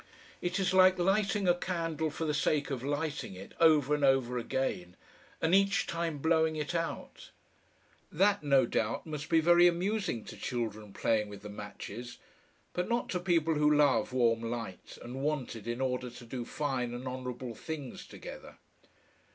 It is like lighting a candle for the sake of lighting it, over and over again, and each time blowing it out. That, no doubt, must be very amusing to children playing with the matches, but not to people who love warm light, and want it in order to do fine and honourable things together.